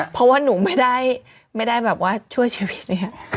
เพราะว่าหนูไม่ได้แบบว่าช่วยชีวิตเนี่ย